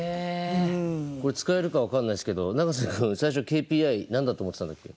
これ使えるか分かんないですけど永瀬君最初ＫＰＩ何だと思ってたんだっけ？